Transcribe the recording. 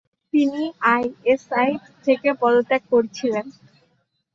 তিনি আইএসআই থেকে পদত্যাগ করেছিলেন।